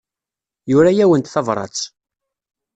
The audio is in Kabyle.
Yura-awent tabrat.